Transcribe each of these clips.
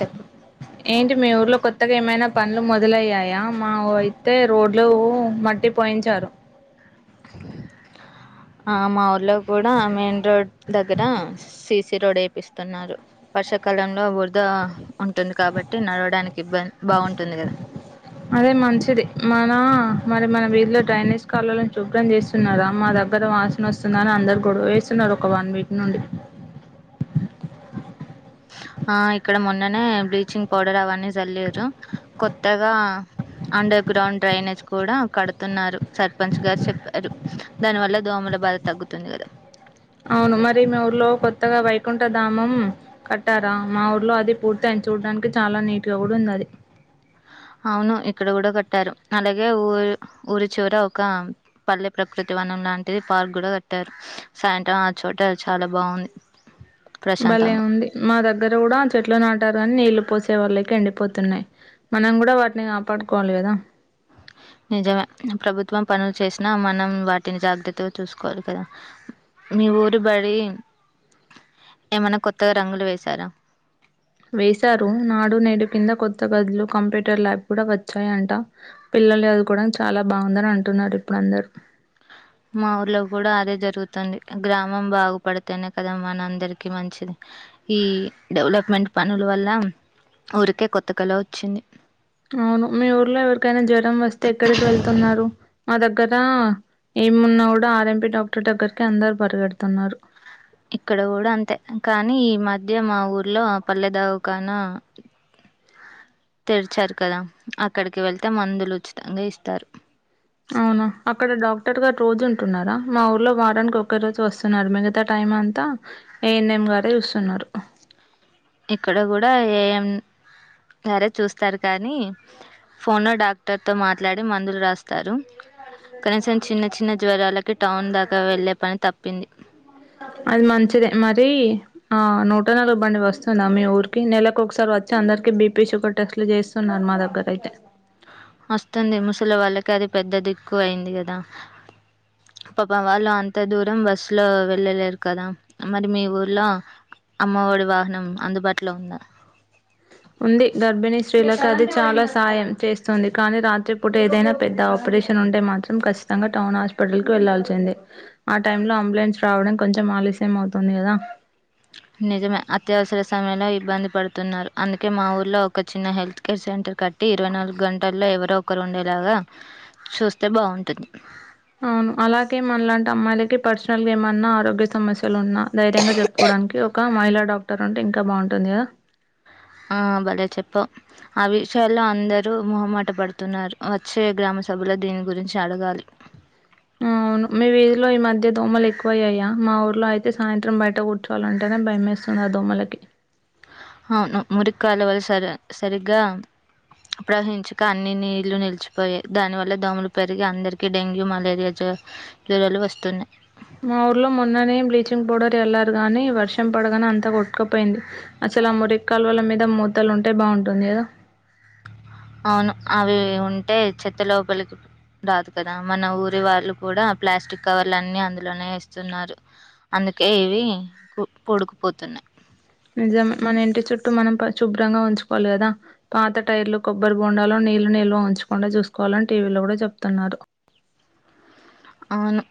చెప్పు ఏంటి మీ ఊర్లో కొత్తగా ఏమైనా పనులు మొదలయ్యాయా మా అయితే రోడ్లు మట్టి పోయించారు ఆ మా ఊర్లో కూడా మెయిన్ రోడ్ దగ్గర ససి తిరోడ వేపిస్తున్నారు వర్షాకాలంలో బురదా ఉంటుంది కాబట్టి నడవడానికి ఇబ్బంది బాగుంటుంది కదా అదే మంచిది మన మరి మన వీధిలో డ్రైనేజ్ కళని చూపడం చేస్తున్నారు అమ్మా దా దగ్గర వాసన వస్తుందని అందరు గొడ వేస్తున్నారు ఒక వన్ వీక్ నుండి [inaudible] ఆ ఇక్కడ మొన్ననే బ్లీచింగ్ పౌడర్ అవన్నీ చల్లేరు కొత్తగా అండర్ గ్రౌండ్ డ్రైనేజ్ కూడా కడుతున్నారు సర్పంచ్ గారు చెప్పారు దాని వల్ల దోమలు బాధ తగ్గుతుంది కదా అవును మరి మీ ఊర్లో కొత్తగా వైకుంఠ ధామం కట్టారా మా ఊర్లో అది పూర్తి అయి చూడడానికి చాలా నీట్గా కూడా ఉంది అది అవును ఇక్కడ కూడా కట్టారు అలాగే ఊరు ఊరి చూర ఒక పల్లె ప్రకృతి వనం లాంటిది పార్క్ కూడా కట్టారు సాయంత్రం ఆ చోట చాలా బాగుంది భలే ప్రశాంతంగా ఉంది మా దగ్గర కూడా చెట్లు నాటు ఉంటారు కాని నీళ్లు పోసే వాళ్ళకి ఎండిపోతున్నాయి మనం కూడా వాటిని కాపాడుకోవాలి కదా [inaudible] నిజమే ప్రభుత్వం పనులు చేసినా మనం వాటిని జాగ్రత్తగా చూసుకోవాలి కదా మీ ఊరు బడి ఏమన్నా కొత్తగా రంగులు వేశారా వేశారు నాడు నేడు కింద కొత్త గదులు కంప్యూటర్ ల్యాబ్ కూడా వచ్చాయంట పిల్లలు చదుకోవనికి చాలా బాగుందని అంటున్నారు ఇప్పుడు అందరుూ మా ఊర్లో కూడా అదే జరుగుతుంది గ్రామం బాగుపడితేనే కదా మన అందరికి మంచిది ఈ డెవలప్మెంట్ పనుల వల్ల ఊరికే కొత్తగాలో వచ్చింది అవును మీ ఊర్లో ఎవరికైనా జ్వరం వస్తే ఎక్కడికి వెళ్తున్నారు మా దగ్గర ఏమున్నా కూడా ఆర్ఎంబి డాక్టర్ దగ్గరకి అందరు పరిగెడుతున్నారు ఇక్కడ కూడా అంతే కానీ ఈ మధ్య మా ఊర్లో పల్లెదావ కాన [inaudible] తెరిచారు కదా అక్కడికి వెళ్తే మందులు ఉచితంగా ఇస్తారు అవునా అక్కడ డాక్టర్ గారు రోజు ఉంటున్నారా మా ఊర్లో వారానికి ఒకే రోజు వస్తున్నారు మిగతా టై అంతా ఏఎన్ఎం గారే చూస్తున్నారు ఇక్కడ కూడా ఏం సరే చూస్తారు కానీ ఫోన్ లో డాక్టర్ తో మాట్లాడి మందులు రాస్తారు కనీసం చిన్న చిన్న జ్వరాలకి టౌన్ దాకా వెళ్లే పని తప్పింది అది మంచిదే మరి ఆ నూట నాలుగు బండి వస్తుందా మీ ఊరికి నెలలకు ఒకసారి వచ్చి అందరికి బీపీ షుగర్ టెస్ట్లు చేస్తున్నారు మా దగ్గర అయితే ఇంకా అది పెద్దదిక్కు అయింది కదా పాపం వాళ్ళు అంత దూరం బస్సు లో వెళ్ళలేరు కదా మరి మీ ఊర్లో అమ్మఒడి వాహనం అందుబాటులో ఉందా ఉంది గర్భిణీ స్త్రీలకు అది చాలా సాహాయం చేస్తుంది కానీ రాత్రి పూట ఏదైనా పెద్ద ఆపరేషన్ ఉంటే మాత్రం ఖచ్చితంగా టౌన్ హాస్పిటల్ కి వెళ్లాాల్సిందే ఆ టైమ్ లో అంబులెన్స్ రావడం కొంచెం ఆలస్యం అవుతు నిజమే అత్యవసర సమయ లో ఇబ్బంది పడుతున్నారు అందుకే మా ఊర్లో ఒక చిన్న హెల్త్ కేర్ సెంటర్ కట్టి ఇరవై నాలుగు గంటల్లో ఎవరో ఒక్కరు ఉండేలాగా చూస్తే బాగుంటుంది ఆ అలాగే మనలాంటి అమ్మాయిలకి పర్సనల్ గా ఏమన్నా ఆరోగ్య సమస్యలు ఉన్నా ధైర్యంగా చెప్పుకోవడానికి ఒక మహిళా డాక్టర్ అంటే ఇంకా బాగుంటుంది కదా ఆ భలే చెప్పవ్ ఆ విషయాల్లో అందరూ మొహమాటం పడుతున్నారు వచ్చే గ్రామ్ సభలో దీని గురించి అడగాలి ఆ అవును మీ వీధిలో ఈ మధ్య దోమలు ఎక్కువ అయ్యాయా మా ఊర్లో అయితే సాయంత్రం బయట కూర్చోవాలంటేనే భయం వేస్తాం ఆ దోమలకి అవును మురి కాలవలు సరి సరిగా ప్రవహించక అన్ని నీళ్లు నిలిచిపోయాయి దాని వల్ల దోమలు పెరిగి అందరికకి డెంగ్యూ మలేరియా జ జరలు వస్తున్నాయి మా ఊర్లో మొన్ననే బ్లీచింగ్ పౌడర్ చల్లారు గానీ వర్షం పడగానే అంతా కొట్కపోయింది అసలు మురి కాలువల మీద మూతలు ఉంటే బాగుంటుంది కదా అవును అవి ఉంటే చెత్త లోపలికి రాదు కదా మన ఊరి వాళ్ళు కూడా ప్లాస్టిక్ కవర్లు అన్ని అందులోనే ఏస్తున్నారు అందు అందుకే ఇవి పూడుకుపోతున్నాయి నిజమే మన ఇంటి చుట్టూ మనం పరిశుభ్రంగా ఉంచుకోవాలి కదా పాత టైర్లు కొబ్బరి బోండాలు నీళ్లు నిల్వ ఉంచకుండా చూసుకోవాలని టీవీలో కూడా చెబుతున్నారు అవును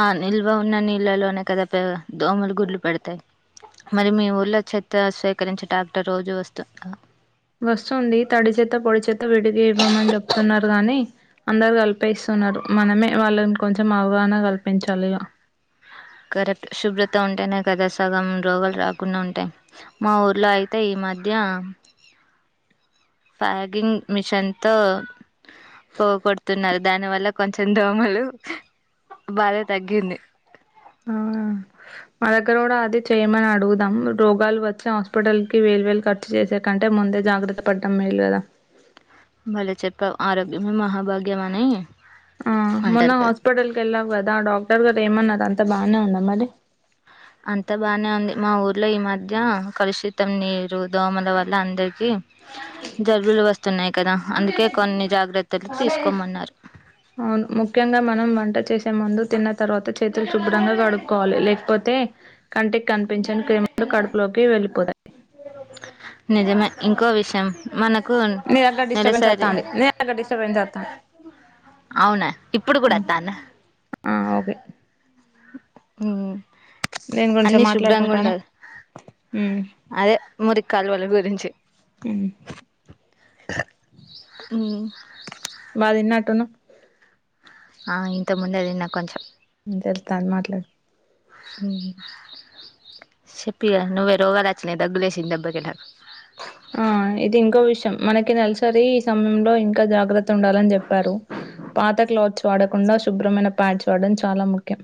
ఆ నిల్వ ఉన్న నీళ్ళలోనే కదా ప దోమలు గుడ్లు పడతాయి మరి మీ ఊళ్ళ చెత్త స్వీకరించే ట్రాక్టర్ రోజు వస్తుంద వస్తుంది తడి చెత్త పొడి చెత్త విడికి ఇవ్వమని చెప్తున్నారు గాని అందరు కలిపేస్తు నారు మనమే వాళ్ళకి కొంచెం అవగాహన కల్పించాలి ఇగ కరెక్ట్ శుభ్రత ఉంటేనే కదా సగం రోగాలు రాకుండా ఉంటాయి మా ఊర్లో అయితే ఈ మధ్య ప్యాగింగ్ మిషన్ తో పొగ కొొడుతున్నారు దాని వల్ల కొంచెం దోమలు బాధ తగ్గింది ఆ మా దగ్గర కూడా అదే చేయమని అడుగుదాం రోగాలు వచ్చి హాస్పిటల్ కి వేలువేలు ఖర్చు చేసే కన్ అంటే ముందే జాగ్రత్త పడ్డం మేలు కదా భలే చెప్పవ్ ఆరోగ్యమే మహాభాగ్యమానీ ఆ మొన్న హాస్పిటల్ కెల్లవ్ కద్ ఆ డాక్టర్ గారు ఏమన్నారు అంతా బానే ఉంద మరి అంత బానే ఉంది మా ఊర్లో ఈ మధ్య కలుషితం నీరు దోమల వల్ల అందరి కి జలుబులు వస్తున్నాయ కదా అందుకే కొన్ని జాగ్రత్తలు తీసుకోమన్నార అవును ముఖ్యంగా మనం వంట చేసే ముందు తిన్న తర్వాత చేతులు శుభ్రంగా కడుక్కోవాలి లేకపోతే కంటి కనిపించంని క్రిములు కడుపులోకి వెళ్ళి నిజమే ఇంకో విషయం మనకు మీరుగ్గ డిస్టబెన్స్ నెలసరి అస్తాండి నేగ్గ డిటర్బెన్స్ వస్తాను అవునా ఇప్పుడు కూడా వస్తాంద ఆ ఓకే ఉ దేని గురించో అన్నిీ శుభ్రంగా మాట్లాడుకుంటాను ఉండదు ఉమ్ అదే మురి కాలువల గురించి బదిన్నవ్ ఆ ఇంతకు ముందు తిన్న కొంచెం తెలుస్తాం మాట్లాడ చెప్పిగా ను్వేరుగా దచిన ద అగులేసి దబ్బక ఆ ఇది ఇంకో విషయం మనకి నెలసరి ఈ సమయంలో ఇంకా జాగ్రత్త ఉండాలి చెప్పారు పాత క వాడకుండా శుభ్రమైన ప్యాడ్ వాడడం చాలా ముఖ్యం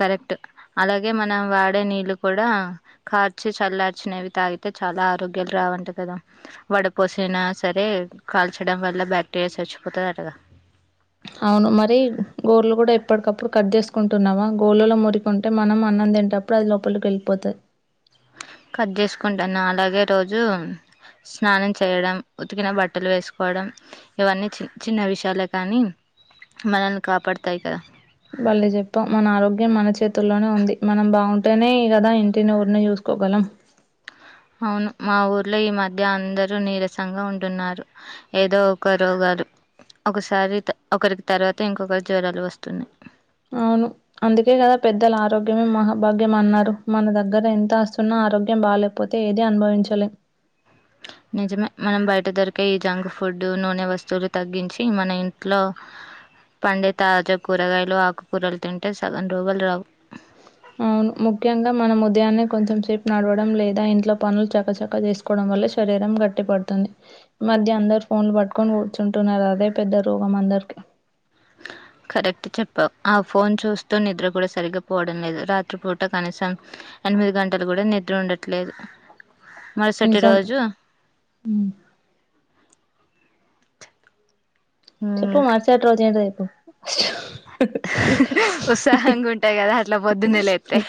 కరెక్ట్ అలాగే మనం వాడే నీళ్లుు కూడా కార్చి చల్లార్చినవి తాగితయి అయితే చాలా ఆరోగ్యాలు రావంట కదా వడపోసిన సరే కాల్చడం వల్ల బ్యాక్టీరియా పచ్చపోతదట [inaudible] అవును మరి గోళ్లు కూడా ఎప్పటికప్పుడు కట్ చేసుకుంటున్నావా గోళ్ళలో మురికుంటే మనం అన్న తింటప్పుడు అది లోపలికి వెళ్ళిపోతది కట్ చేసుకుంటాను అలాగే రోజు స్నానం చేయడం ఉతికిన బట్టలు వేసుకోవడం ఇవన్నీ చి చిన్న విషయాలు కానీ మనల్ని కాపాడతాయి కదా మళ్ళీ చెప్పాం మన ఆరోగ్యం మన చేతుల్లోనే ఉంది మనం బాగుంటేనే కదా ఇంటిని ఊరుని చూస్ కోగలం అవును మా ఊర్లో ఈ మధ్య అందరూ నీరసంగా ఉంటున్నారు ఏదో ఒక రోగా ఒకసారి ఒకరికి తర్వాత ఇంకొకరి జ్వరాలు వస్తున్నాయి అవు అందుకే కదా పెద్దల ఆరోగ్యమే మహాభాగ్యం అన్నారు మన దగ్గర ఎంత వస్తున్నా ఆరోగ్యం బాగా పోతే ఏద అనుభవించాలెం నిజమే మనం బయట దొరికే ఈ జంక్ ఫుడ్ నూనె వస్తువులు తగ్గించి మన ఇంట్లో పండి తాజా కూరగాయలు ఆకుకూరలు తింటే సగన్ రోగులు రావు అవును ముఖ్యంగా మనం ఉదయాన్న కొంచెం సేపు నడవడం లేదా ఇంట్లో పనులు చక్కచక్క చేసుకోవడం వల్ల [unintelligible] శరీరం గట్టి పడుతుంది మధ్య అందరు ఫోన్లు పట్టుకొని కూర్చుంటున్నారు అదే పెద్ద రోగం అందరు అ కరెక్ట్ చెప్పావు ఆ ఫోన్ చూస్తూ నిద్ర కూడా సరిగ్గాపోవడం లేదు రాత్రిపూట కనీసం ఎనిమిది గంటలు కూడా నిద్ర ఉండట్లేదు మరుసటీ నిజం రోజు హ్మ్ ఉమ్ చెప్పు మార్సిటి రోజు ఏం జరిగిందో ఉత్సాహంగా ఉంటాయి కదా అట్లా పొద్దున్నేలేప్తే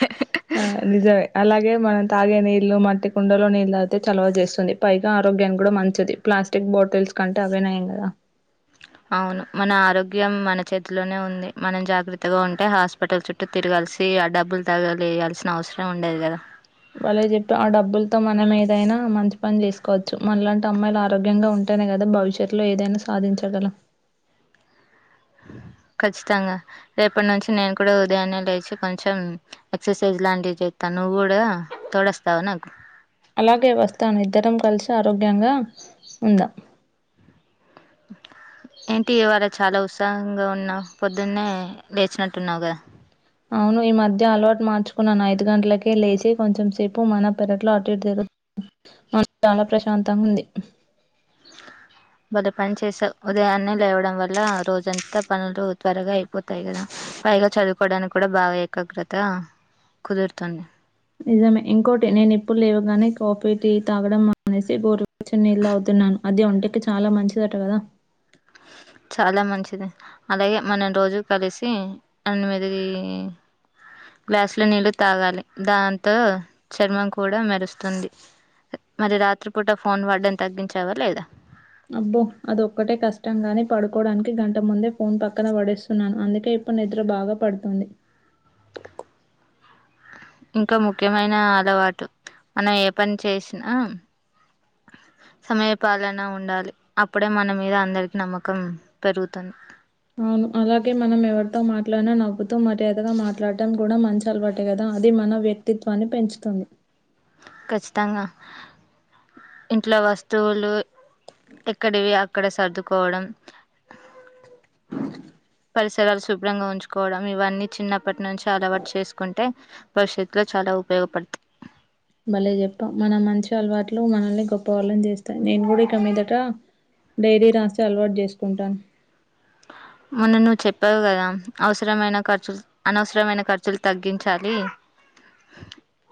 ఆ నిజమే అలాగే మనం తాగే నీళ్ు మట్టి కుండలో నీళ్ు తాగితే చొలవ చేస్తుంది పైగా ఆరోగ్యాం కూడా మంచిది ప్ ప్లాస్టిక్ బాటిల్స్ కంటే అవే నయం కదా అవును మన ఆరోగ్యం మన చేతిలోనే ఉంది మనం జాగ్రత్తగా ఉంటే హాస్పిటల్ చుట్టూ తిరగాల్సి ఆ డబ్బులు తగలియాల్సిన అవసరం ఉండేది కదా భళ్లే చెట్టు ఆ డబ్బులతో మనం ఏదైనా మంచి పని చేసుకోవచ్చు మనలాంటి అమ్మాయిలు ఆరోగ్యంగా ఉంట అంటేనే కదా భవిష్యత్తులో ఏదైనా సాధించగల ఖచ్చితంగా రేపటి నుంచి నేను కూడా ఉదయాన్నే లేచి కొంచెం ఎక్సర్సైజ్ లాంటివి చేస్తాను నువ్వు కూడా తోడస్తావు నాకు అలాగే వస్తాను ఇద్దరం కలిసి ఆరోగ్యంగా ఉందాం ఏంటి ఇవాళ చాలా ఉత్సాహంగా ఉన్నావ్ పొద్దున్నే లేచినట్టున్నావు కదా అవును ఈ మధ్య అలవాటు మార్చుకున్నాను ఐదు గంటలకే లేచి కొంచెం సేపు మన పెరట్లో అటుఇటు తిరు మనసు చాలా ప్రశాంతంగా ఉంది బలే పని చేసావ్ ఉదయాన్న లేవడం వల్ల రోజంతా పనులు త్వరగా అయిపోతాయి కదా పైగా చదువుకోవడానికి కూడా బాగా ఏకాగ్రత కుదురుతుంది నిజమే ఇంకోటి నేను ఇప్పులేవుగానే కాఫీ టీ తాగడం అనేసి గోరుచ్చ నీళ్ళ తాగుతూ న్నాను అది ఒంటికి చాలా మంచిదట కదా చాలా మంచిది అలాగే మనం రోజు కలిసి ఎనిమిది గ్లాసు లో నీళ్ళు తాగాలి దాంతో చర్మం కూడా మెరుస్తుంది మరి రాత్రి పూట ఫోన్ వాడడం తగ్గించావా లేదా అబ్బో అదో ఒక్కటే కష్టం గాని పడుకోడానికి గంట ముందే ఫోన్ పక్కన పడేస్తున్నాను అందుకే ఇప్పుడు నిద్ర బాగా పడుతుంది ఇంకా ముఖ్యమైన అలవాటు మనం ఏ పని చేసినా [inaudible] సమయ పాలన ఉండాలి అప్పుడే మన మీద అందరికి నమ్మకం పెరుగుతుంది అవును అలాగే మనం ఎవరితో మాట్లాడినా నవ్వుతూ మర్యాదగా మాట్లాడటం కూడా మంచి అలవాటే కదా అది మన వ్యక్తిత్వాన్ని పెంచుతుంది ఖచ్చితంగా ఇంట్లో వస్తువులు ఇక్కడివి అక్కడ సర్దుకోవడం [inaudible] పరిసరాలు శుభ్రంగా ఉంచుకోవడం ఇవన్నీ చిన్నప్పటి నుంచి అలవాటు చేసుకుంటే భవిష్యత్తులో చాలా ఉపయోగపడుతు భలే చెప్పావ్ మన మంచి అలవాట్లు మనల్ని గొప్ప వాళ్ళని చేస్తాయి నేను కూడా ఇక మీదట డైరీ రాసే అలవాటు చేసుకుంటాను మొన్న నువ్వు చెప్పావు కదా అవసరమైన ఖర్చులు అనవసరమైన ఖర్చులు తగ్గించాలి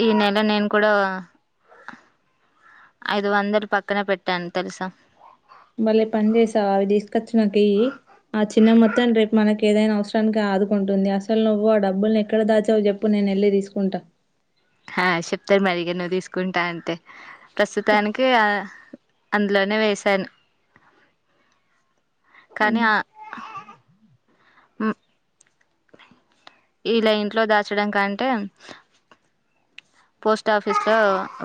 ఈ నెల నేను కూడా ఐదు వందలు పక్కన పెట్టాను తెలుసా బలే పని చేసావ్ అవి తీసుకొచ్చినకి ఆ చిన్న మొత్తం రేపు మనకి ఏదైనా అవసరానికి ఆదుకుంటుంది అసలు నువ్వు ఆ డబ్బుల్ని ఎక్కడ దాచావు చెప్పు నేను ఎల్లి తీసుకుంటా ఆ చెప్తారు మరిగ నువ్వు తీసుకుంటా అంటే ప్రస్తుతానికి ఆ అందులోనే వేసాను కానీ ఆ మ్ [inaudible] ఇలా ఇంట్లో దాచడం కంటే పోస్ట్ ఆఫీస్ లో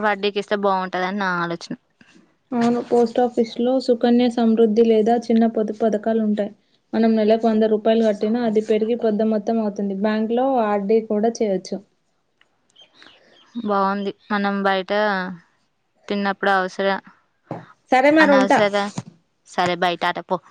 వడ్డీకి ఇస్తే బాగుంటదిని నా ఆలోచన అవును పోస్టాఫీసు లో సుకన్య సమృద్ధి లేదా చిన్న పొదు పథకాలు ఉంటాయి మనం నెలకు వంద రూపాయలు కట్టినా అది పెరిగి పెద్ద మొత్తం అవుతుంది బ్యాంక్ లో ఆర్డీ కూడా చేయొచ్చు [inaudible] బాగుంది మనం బయట తిన్నప్పుడు అవసరం సరే మరి ఉంటా అనవసర సరే బయట ఆటపో